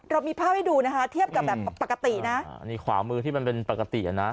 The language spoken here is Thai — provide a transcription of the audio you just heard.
เรามีภาพให้ดูนะคะเทียบกับแบบปกตินะอ่านี่ขวามือที่มันเป็นปกติอ่ะนะ